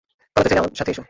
পালাতে চাইলে আমার সাথে আসো।